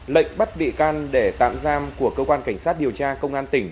lệnh bắt bị can để tạm giam của cơ quan cảnh sát điều tra công an tỉnh